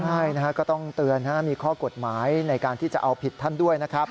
ใช่นะต้องเตือนนะมีข้อกฎหมายในการที่จะเอาผิดท่านด้วย